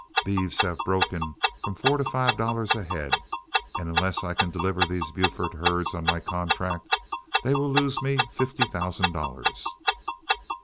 Beeves have broken from four to five dollars a head, and unless I can deliver these Buford herds on my contract, they will lose me fifty thousand dollars."